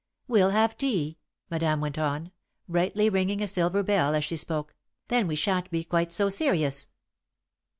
"We'll have tea," Madame went on, brightly, ringing a silver bell as she spoke. "Then we shan't be quite so serious."